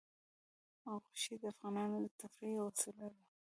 غوښې د افغانانو د تفریح یوه وسیله ده.